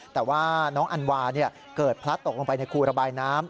แต่ว่าน้องอันวาเกิดพลัดตกลงไปในครูระบายน้ำ